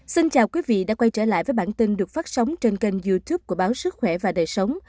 xin chào quý vị đã quay trở lại với bản tin được phát sóng trên kênh youtube của báo sức khỏe và đời sống